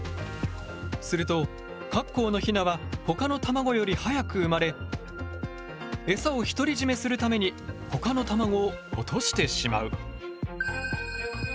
するとカッコウのヒナはほかの卵より早く生まれエサを独り占めするためにほかの卵を落としてしまう。